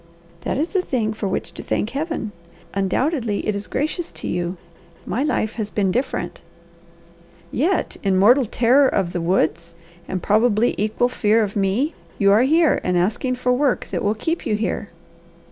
"That is a thing for which to thank Heaven. Undoubtedly it is gracious to you. My life has been different." "Yet in mortal terror of the woods, and probably equal fear of me, you are here and asking for work that will keep you here."